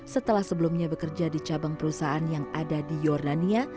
setelah sebelumnya bekerja di cabang perusahaan yang ada di jordania